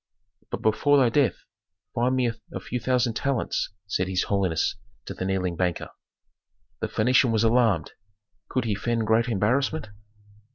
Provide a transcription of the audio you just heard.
"But before thy death, find me a few thousand talents," said his holiness to the kneeling banker. The Phœnician was alarmed. Could he feign great embarrassment?